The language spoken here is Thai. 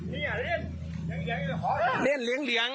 เลี้ยงเลี้ยงเลี้ยงเลี้ยงเลี้ยงเลี้ยงเลี้ยง